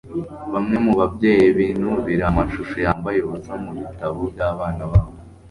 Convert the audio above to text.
Bamwe mu babyeyi binubira amashusho yambaye ubusa mu bitabo byabana babo